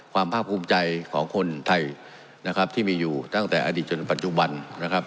ภาพภูมิใจของคนไทยนะครับที่มีอยู่ตั้งแต่อดีตจนปัจจุบันนะครับ